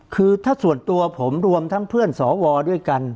คือถ้าส่วนตัวผมรวมทั้งเพื่อนสวด้วยกัน